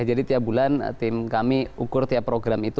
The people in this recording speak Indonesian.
jadi tiap bulan kami ukur tiap program itu